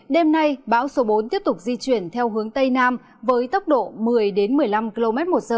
đêm nay báo số bốn tiếp tục di chuyển theo hướng tây nam với tốc độ một mươi một mươi năm kmh